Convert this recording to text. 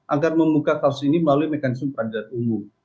agar membuka kasus ini melalui mekanisme peradilan umum